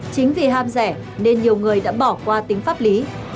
chính vì ham rẻ nên nhiều người đã bỏ qua tính pháp lý